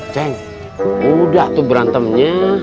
ceng udah tuh berantemnya